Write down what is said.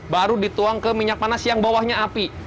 baru dituang ke minyak panas yang bawahnya api